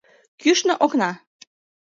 Кӱшнӧ окна.